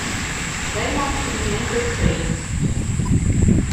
They want to be entertained.